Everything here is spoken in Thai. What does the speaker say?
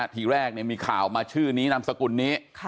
ทีแรกมีข่าวมาชื่อนี้นามสกุลนี้